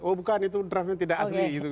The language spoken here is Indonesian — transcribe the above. oh bukan itu draftnya tidak asli gitu